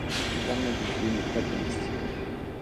L'amadouvier n'est pas comestible.